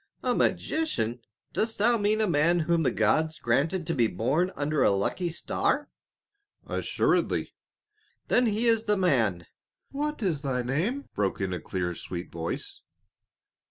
"A magician? Dost thou mean a man whom the gods granted to be born under a lucky star?" "Assuredly!" "Then he is the man." "What is thy name?" broke in a clear sweet voice.